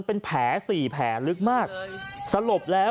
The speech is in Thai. ก็ได้พลังเท่าไหร่ครับ